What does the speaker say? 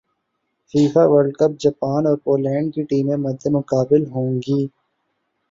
FIFA world cup Japan اور Poland کی ٹیمیں مدمقابل ہوں گی